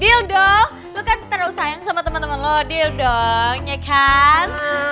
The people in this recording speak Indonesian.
deal dong lu kan terlalu sayang sama temen temen lo deal dong ya kan